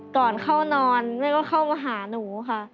ก่อนเข้านอนแม่ก็เข้ามาหาหนูค่ะ